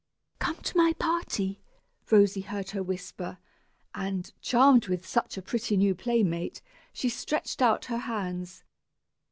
"Come to my party," Rosy heard her whisper; and, charmed with such a pretty new playmate, she stretched out her hands.